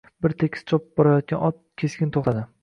Bir tekis chopib borayotgan ot keskin to‘xtadi.